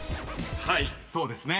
［はいそうですね。